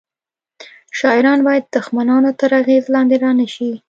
شاعران باید د دښمنانو تر اغیز لاندې رانه شي